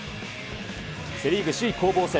セ・リーグ首位攻防戦。